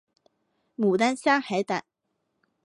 牡丹虾海胆